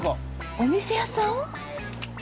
お店屋さん？